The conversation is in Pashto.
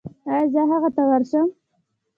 ایا زه هغه ته ورشم؟